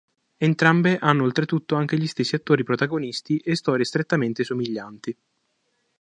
Entrambe hanno oltretutto anche gli stessi attori protagonisti e storie strettamente somiglianti.